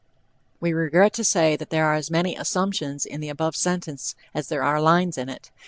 We regret to say that there are as many assumptions in the above sentence as there are lines in it.